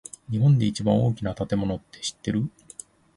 日本で一番大きな建物って知ってる？